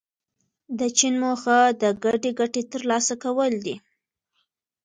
د چین موخه د ګډې ګټې ترلاسه کول دي.